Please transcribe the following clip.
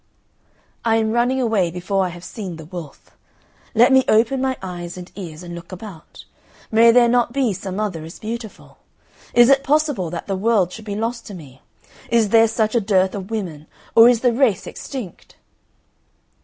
I am running away before I have seen the wolf; let me open my eyes and ears and look about; may there not be some other as beautiful? Is it possible that the world should be lost to me? Is there such a dearth of women, or is the race extinct?"